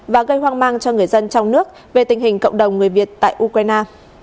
và gây hoang mang cho người dân trong nước về tình hình cộng đồng người việt tại ukraine